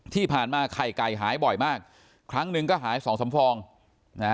ที่ผ่านมาไข่ไก่หายบ่อยมากครั้งหนึ่งก็หายสองสามฟองนะฮะ